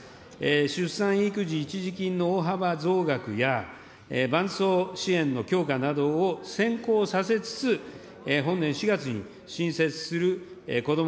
出産育児一時金の大幅増額や、ばんそう支援の強化などを先行させつつ、本年４月に新設するこども